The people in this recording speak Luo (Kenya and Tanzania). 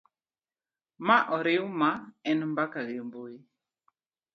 ma oriw ma en mbaka gi mbui